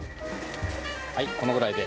はいこのぐらいで。